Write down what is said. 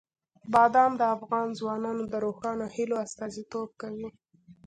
بادام د افغان ځوانانو د روښانه هیلو استازیتوب کوي.